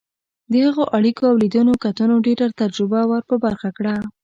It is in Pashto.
د هغه اړیکو او لیدنو کتنو ډېره تجربه ور په برخه کړه.